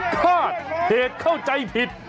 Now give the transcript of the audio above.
คาดเหตุเข้าใจผิด